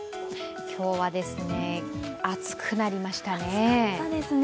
今日は暑くなりましたね。